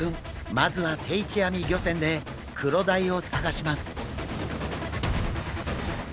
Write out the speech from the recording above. まずは定置網漁船でクロダイを探します。